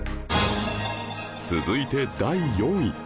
続いて第４位